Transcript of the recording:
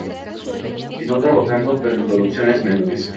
Continuo trabajando pero en producciones menores.